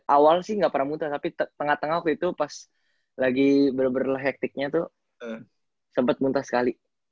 awal sih nggak pernah muntah tapi tengah tengah waktu itu pas lagi bener bener hektiknya tuh sempat muntah sekali